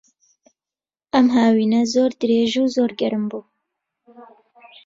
ئەم هاوینە زۆر درێژ و زۆر گەرم بوو.